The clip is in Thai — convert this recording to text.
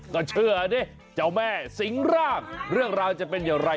ก็เชื่อเนี่ยแม่สิ๊งร่างเรื่องราวจะเป็นอะไร